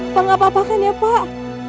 apa nggak apa apakan ya pak